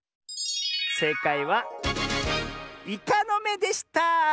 えいかいはイカのめでした！